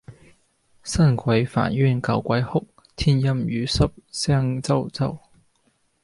新鬼煩冤舊鬼哭，天陰雨濕聲啾啾！